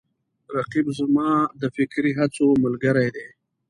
رقیب زما د فکري هڅو ملګری دی